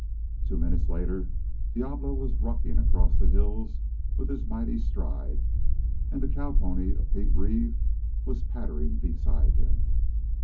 Two minutes later Diablo was rocking across the hills with his mighty stride, and the cow pony of Pete Reeve was pattering beside him.